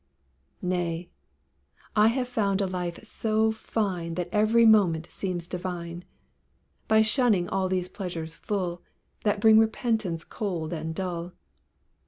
Nay, I have found a life so fine That every moment seems divine; By shunning all those pleasures full, That bring repentance cold and dull.